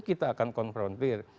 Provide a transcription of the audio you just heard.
kita akan konfrontir